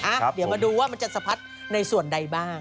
ครับสมมุติเดี๋ยวมาดูว่ามันจะสะพัดในส่วนใดบ้าง